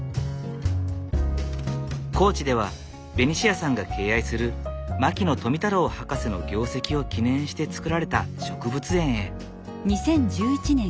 高知ではベニシアさんが敬愛する牧野富太郎博士の業績を記念して造られた植物園へ。